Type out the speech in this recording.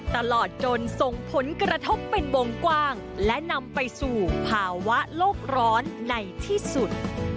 ตลอดจนส่งผลกระทบเป็นวงกว้างและนำไปสู่ภาวะโลกร้อนในที่สุด